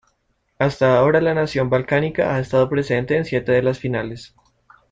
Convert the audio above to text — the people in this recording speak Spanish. Hasta ahora la nación balcánica ha estado presente en siete de las finales.